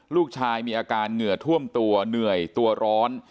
ลูกชายมีอาการเหงื่อท่วมตัวเหนื่อยตัวร้อน